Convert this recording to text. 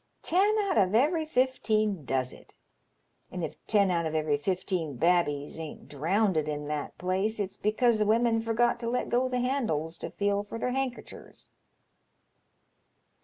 Ten out of every fifteen does it, and if ten out of every fifteen babbies ain't drownded in that place it's because the women forget to let go the handles to feel for their hankerchers."